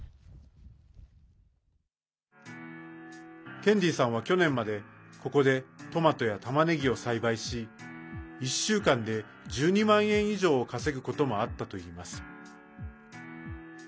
ケンディさんは去年までここでトマトやタマネギを栽培し１週間で１２万円以上を稼ぐこともあったといいます。